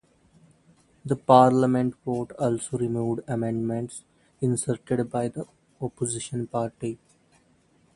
The parliament vote also removed amendments inserted by the opposition party.